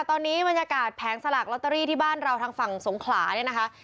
ตอนนี้บรรยากาศแผงสลากลอตเตอรี่ที่บ้านเราทางฝั่งสงขลาเนี่ยนะคะ